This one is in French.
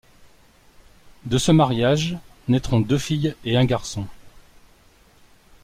De ce mariage naîtront deux filles et un garçon.